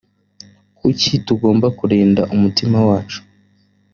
kuki tugomba kurinda umutima wacu